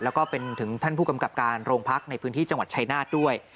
แล้วก็เป็นถึงท่านผู้กำกับการโรงพักในพื้นที่จังหวัดชายนาฏด้วย